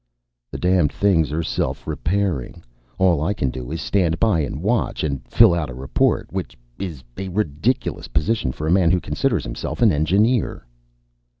"The damned things are self repairing. All I can do is stand by and watch, and fill out a report. Which is a ridiculous position for a man who considers himself an engineer."